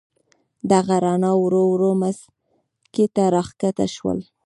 دغه رڼا ورو ورو مځکې ته راکښته شول.